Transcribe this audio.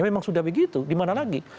memang sudah begitu dimana lagi